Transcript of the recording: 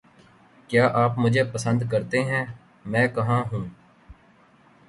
کیا آپ مجھے پسند کرتے ہیں؟ میں کہاں ہوں؟